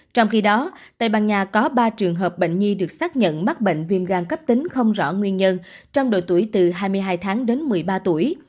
trong khi đó tây ban nha có ba trường hợp bệnh nhi được xác nhận mắc bệnh viêm gan cấp tính không rõ nguyên nhân trong độ tuổi từ hai mươi hai tháng đến một mươi ba tuổi